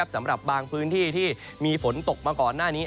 สำหรับบางพื้นที่ที่มีฝนตกมาก่อนหน้านี้